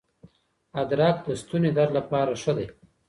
ادرک د ستوني درد لپاره ښه دی.